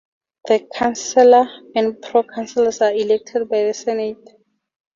The Chancellor and pro-Chancellors are elected by the Senate.